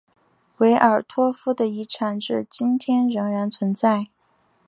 维尔托夫的遗产至今天仍然存在。